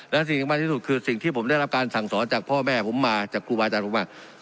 และสิ่งสำคัญที่สุดคือสิ่งที่ผมได้รับการสั่งสอนจากพ่อแม่ผมมาจากครูบาอาจารย์ผมว่า